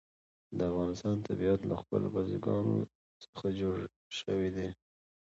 د افغانستان طبیعت له خپلو بزګانو څخه جوړ شوی دی.